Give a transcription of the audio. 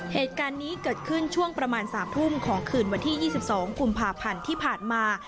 เหตุการณ์นี้เกิดขึ้นช่วงประมาณ๓ทุ่มของคืนวันที่๒๒กุมภาพันธ์ที่ผ่านมา